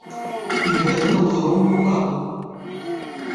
І гэта на ўзроўні ўраду!